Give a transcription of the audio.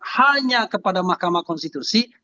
hanya kepada mahkamah konstitusi